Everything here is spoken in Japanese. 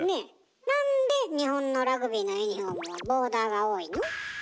なんで日本のラグビーのユニフォームはボーダーが多いの？